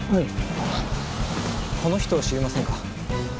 あっこの人知りませんか？